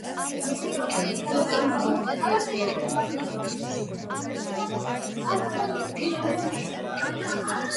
მისი ცოლი ელისო კი მუდმივად ეჭვიანობს, რადგან ლევანი ხშირად დადის უნივერსიტეტის მეგობრებთან ერთად გასართობად.